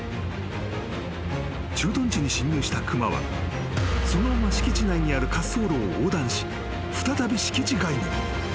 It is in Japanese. ［駐屯地に侵入した熊はそのまま敷地内にある滑走路を横断し］